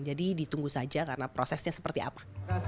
jadi ditunggu saja karena prosesnya seperti apa